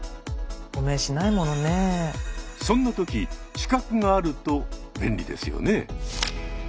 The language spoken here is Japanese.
そんな時資格があると便利ですよね。